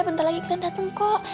bentar lagi kalian datang kok